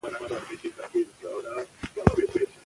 د اصفهان فتحه د پښتنو یو لوی ویاړ دی.